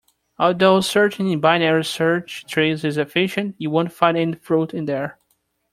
Although searching in binary search trees is efficient, you won't find any fruit in there.